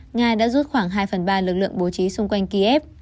nga đã rút khoảng hai phần ba lực lượng bố trí xung quanh kiev